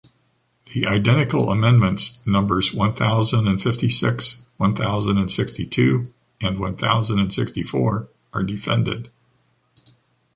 The identical amendments numbers one thousand and fifty-six, one thousand and sixty-two and one thousand and sixty-four are defended.